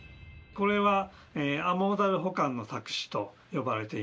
これはアモーダル補完の錯視と呼ばれています。